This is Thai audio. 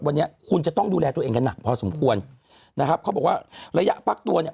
วันนี้คุณจะต้องดูแลตัวเองกันหนักพอสมควรนะครับเขาบอกว่าระยะฟักตัวเนี่ย